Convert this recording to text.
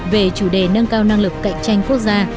về chủ đề nâng cao năng lực cạnh tranh quốc gia